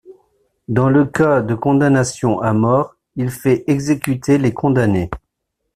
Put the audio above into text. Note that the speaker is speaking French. Dans le cas de condamnation à mort, il fait exécuter les condamnés.